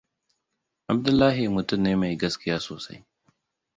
Abdullahi mutum ne mai gaskiya sosai.